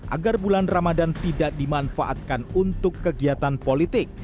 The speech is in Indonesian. agar bulan ramadan tidak dimanfaatkan untuk kegiatan politik